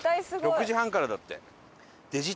６時半からだって。